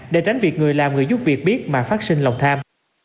để tránh việc người làm người giúp việc biết mà phát sinh lòng tham